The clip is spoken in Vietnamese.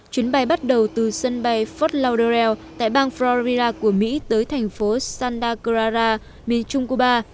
chuyến bay bắt đầu từ sân bay fort lauderdale tại bang florida của mỹ tới thành phố santa clara miền trung cuba